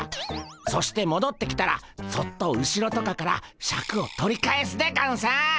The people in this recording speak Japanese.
そしてもどってきたらそっと後ろとかからシャクを取り返すでゴンス。